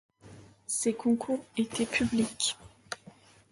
Ces concours étaient publics.